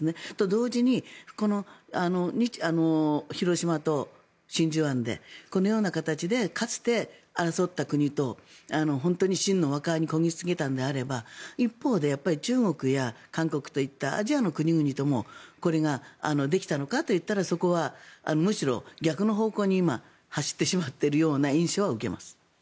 同時に、広島と真珠湾でこのような形でかつて、争った国と真の和解にこぎ着けたのであれば一方で中国や韓国といったアジアの国々ともこれができたのかといったらそこはむしろ逆の方向に今、走ってしまっているような印象は受けます。